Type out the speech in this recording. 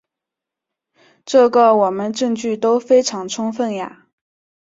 这个我们证据都非常充分呀。